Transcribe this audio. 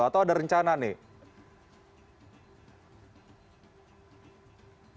atau ada rencana nih